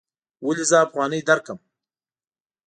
ولې زه افغانۍ درکړم؟